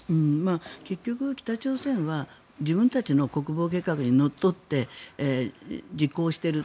結局、北朝鮮は自分たちの国防計画にのっとって実行している。